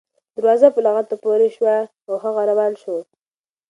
دروازه په لغته پورې شوه او هغه روان شو.